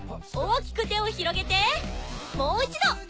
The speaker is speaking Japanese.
大きく手を広げてもう一度。